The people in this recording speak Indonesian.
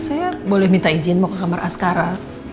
saya boleh minta izin mau ke kamar askara